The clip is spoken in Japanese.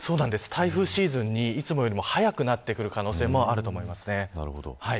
台風シーズンにいつもより早くなってくる可能性もあります。